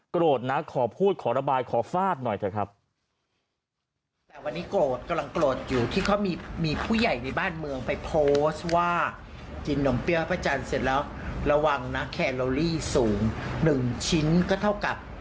โกรธนะขอพูดขอระบายขอฟาดหน่อยเถอะครับ